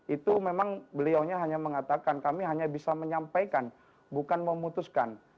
itu memang beliaunya hanya mengatakan kami hanya bisa menyampaikan bukan memutuskan